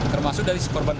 termasuk dari korban